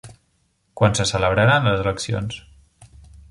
Quan se celebraran les eleccions?